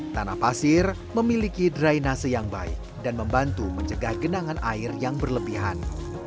tanah pasir memiliki drainase yang baik dan membantu mencegah genangan air yang berlebihan